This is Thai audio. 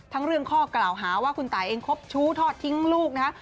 ทั้งเรื่องข้อกล่าวหาว่าคุณตายเองคบชู้ทอดทิ้งลูกนะฮะ